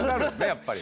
やっぱり。